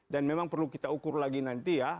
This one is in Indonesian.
dan memang perlu kita ukur lagi nanti ya